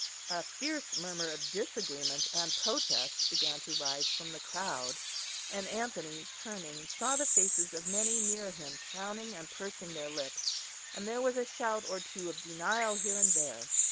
A fierce murmur of disagreement and protest began to rise from the crowd; and Anthony turning saw the faces of many near him frowning and pursing their lips, and there was a shout or two of denial here and there.